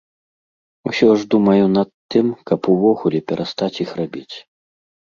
Усё ж думаю над тым, каб увогуле перастаць іх рабіць.